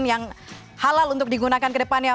yang halal untuk digunakan ke depannya